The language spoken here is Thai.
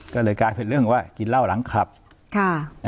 ก็เลยกลายเป็นเรื่องว่ากินเหล้าหลังคลับค่ะ